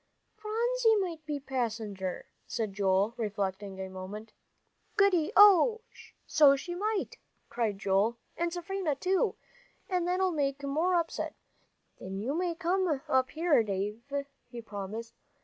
"Phronsie might be passenger," said David, reflecting a moment. "Goody, oh, so she might!" cried Joel, "and Seraphina too. And that'll make more upset. Then you may come up here, Dave," he promised.